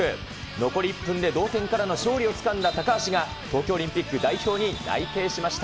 残り１分で同点からの勝利をつかんだ高橋が、東京オリンピック代表に内定しました。